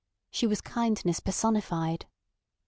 She was kindness personified.